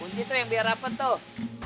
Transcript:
kunci tuh yang biar rapet tuh